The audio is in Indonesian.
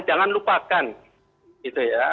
jangan lupakan gitu ya